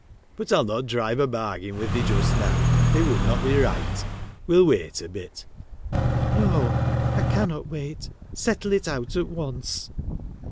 But I'll not drive a bargain with thee just now ; it would not be right ; we '11 wait a bit.' ' No ; I cannot wait, settle it out at once.'